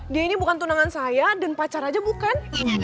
dia ini bukan tunangan saya dan pacar aja bukan